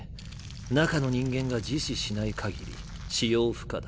中の人間が自死しないかぎり使用不可だ。